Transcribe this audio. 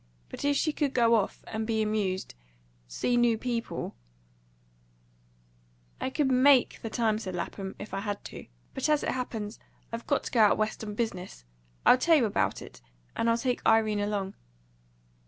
But if she could go off, and be amused see new people " "I could MAKE the time," said Lapham, "if I had to. But, as it happens, I've got to go out West on business, I'll tell you about it, and I'll take Irene along."